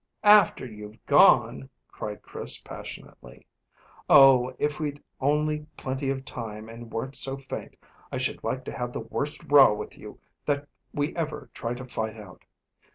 "After you've gone!" cried Chris passionately. "Oh, if we'd only plenty of time and weren't so faint, I should like to have the worst row with you that we ever tried to fight out.